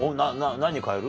何に変える？